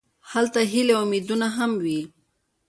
هلته هیلې او امیدونه هم وي.